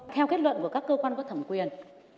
theo kết luận của các cơ quan có thẩm quyền